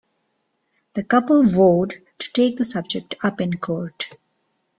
The couple vowed to take the subject up in court.